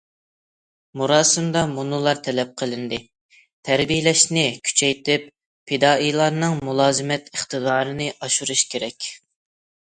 مۇراسىمدا مۇنۇلار تەلەپ قىلىندى: تەربىيەلەشنى كۈچەيتىپ، پىدائىيلارنىڭ مۇلازىمەت ئىقتىدارىنى ئاشۇرۇش كېرەك.